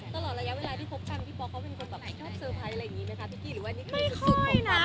ตลอดระยะเวลาที่พบกันพี่ป๊อกเขาเป็นคนแบบชอบสเตอร์ไพรส์อะไรอย่างเงี้ยนะคะ